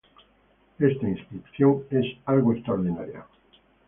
Esta inscripción es algo extraordinario.